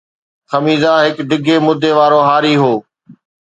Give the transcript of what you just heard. خميزه هڪ ڊگهي مدي وارو هاري هو